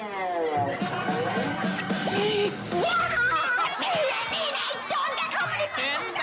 นี่นะไอ้โจรได้เข้ามาได้ไหม